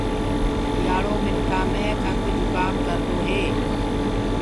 سيٚآݪو منکآ مي کنٚگ جُڪآم ڪرديندو هي۔